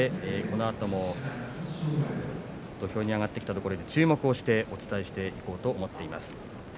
このあとも土俵に上がってきたところで注目をしてお伝えしていこうと思います。